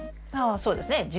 ああそうですね。